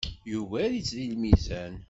Yugar-itt deg lmizan.